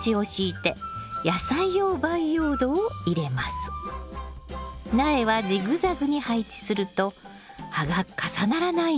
ここに苗はジグザグに配置すると葉が重ならないんですよ。